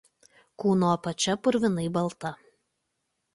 Kūno apačia purvinai balta.